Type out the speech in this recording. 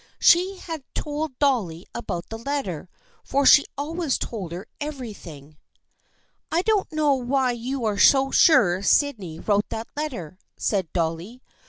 She had told Dolly about the letter, for she always told her everything. " I don't know why you are so sure Sydney wrote that letter," said Dolly.